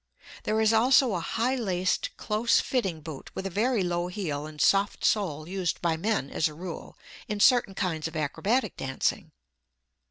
There is also a high laced close fitting boot with a very low heel and soft sole used by men, as a rule, in certain kinds of acrobatic dancing.